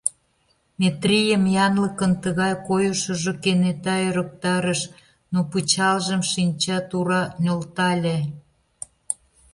Метрийым янлыкын тыгай койышыжо кенета ӧрыктарыш, но пычалжым шинча тура нӧлтале.